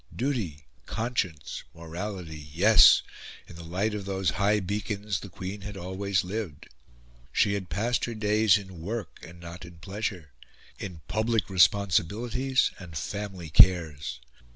Duty, conscience, morality yes! in the light of those high beacons the Queen had always lived. She had passed her days in work and not in pleasure in public responsibilities and family cares.